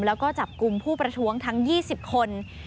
แล้วก็จับกลุ่มผู้ประท้วงทั้ง๒๐คน